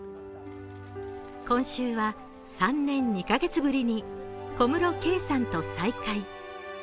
今週は３年２カ月ぶりに小室圭さんと再会。